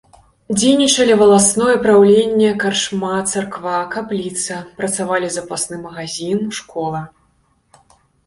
Дзейнічалі валасное праўленне, карчма, царква, капліца, працавалі запасны магазін, школа.